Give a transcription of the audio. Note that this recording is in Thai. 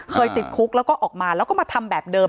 ติดคุกแล้วก็ออกมาแล้วก็มาทำแบบเดิม